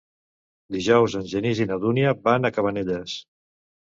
Dijous en Genís i na Dúnia van a Cabanelles.